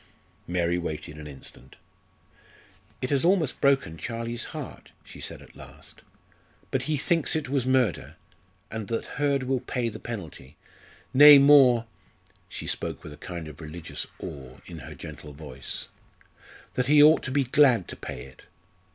Mary waited an instant. "It has almost broken Charlie's heart," she said at last; "but he thinks it was murder, and that Hurd will pay the penalty; nay, more " she spoke with a kind of religious awe in her gentle voice "that he ought to be glad to pay it.